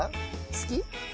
好き？